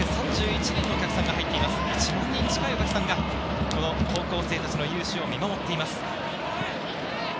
１万人近いお客さんが高校生たちの優勝を見守っています。